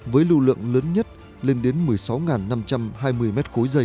với lưu lượng lớn nhất lên đến một mươi sáu năm trăm hai mươi m ba